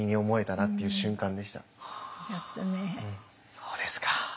そうですか。